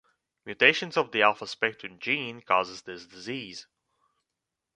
Mutations of the alphaspectrin gene causes this disease.